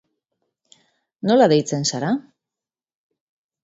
Nola deitzen zara?